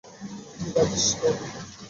ঠিক আছিস তো?